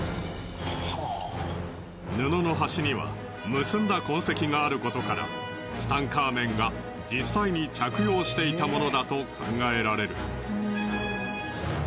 布の端には結んだ痕跡があることからツタンカーメンが実際に着用していたものだと考えられる。